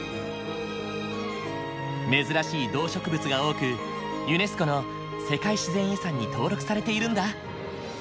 珍しい動植物が多くユネスコの世界自然遺産に登録されているんだ。